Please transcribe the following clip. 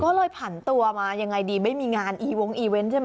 ก็เลยผันตัวมายังไงดีไม่มีงานอีวงอีเวนต์ใช่ไหม